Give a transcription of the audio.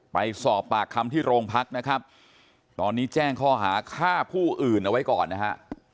ไปสอบปากคำที่โรงพักนะครับตอนนี้แจ้งข้อหาฆ่าผู้อื่นเอาไว้ก่อนนะฮะ